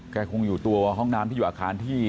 คงอยู่ตัวห้องน้ำที่อยู่อาคารที่